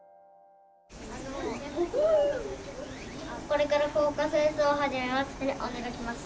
これから校歌制作を始めます。